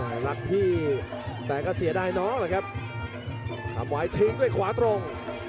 รักพี่แต่ก็เสียดายน้องแหละครับทำไว้ทิ้งด้วยขวาตรง